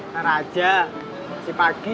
ntar aja masih pagi